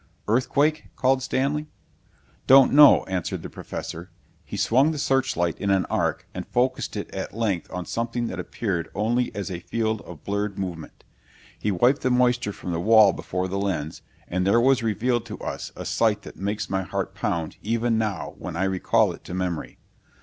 "Earthquake?" called Stanley. "Don't know," answered the Professor. He swung the searchlight in an arc and focussed it at length on something that appeared only as a field of blurred movement. He wiped the moisture from the wall before the lens, and there was revealed to us a sight that makes my heart pound even now when I recall it to memory.